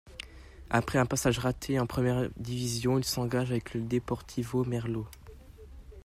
Après un passage raté en première division il s'engage avec le Deportivo Merlo.